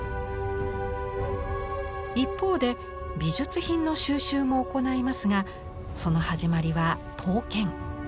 一方で美術品の収集も行いますがその始まりは刀剣。